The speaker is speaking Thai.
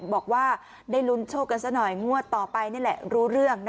บอกว่าได้ลุ้นโชคกันซะหน่อยงวดต่อไปนี่แหละรู้เรื่อง